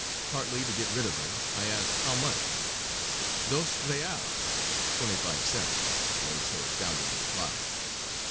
Partly to get rid of her I asked, "How much?" "Dos reals" (twenty five cents) was her astounding reply.